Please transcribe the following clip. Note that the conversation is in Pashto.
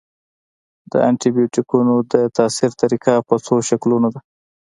د انټي بیوټیکونو د تاثیر طریقه په څو شکلونو ده.